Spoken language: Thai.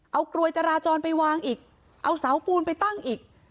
เอากลวยจราจรไปวางอีกเอาเสาปูนไปตั้งอีก